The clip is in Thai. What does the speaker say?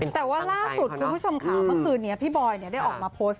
แต่ว่าล่าสุดคุณผู้ชมค่ะเมื่อคืนนี้พี่บอยได้ออกมาโพสต์